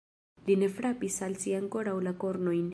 Li ne frapis al si ankoraŭ la kornojn.